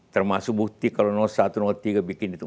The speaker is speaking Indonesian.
termasuk bukti kalau satu tiga bikin itu